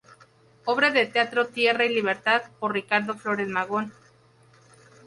Obra de Teatro "Tierra y Libertad" por Ricardo Flores Magón.